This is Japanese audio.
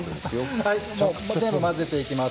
全部、混ぜていきます。